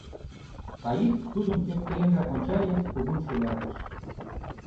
Таис тудым ӧпкеленрак ончале, кугун шӱлалтыш.